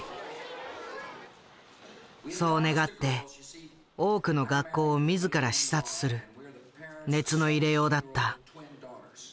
そう願って多くの学校を自ら視察する熱の入れようだった。